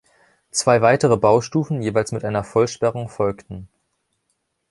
Zwei weitere Baustufen, jeweils mit einer Vollsperrung folgten.